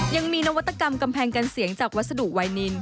ยังมีนวัตกรรมกำแพงกันเสียงจากวัสดุไวนิน